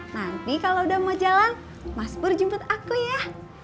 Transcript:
nanti kalau udah mau jalan mas burjemput aku ya